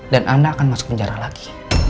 dan anda akan masuk penjara lagi